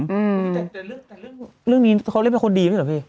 แต่เรื่องแต่เรื่องเรื่องนี้เขาเรียกเป็นคนดีด้วยเหรอพี่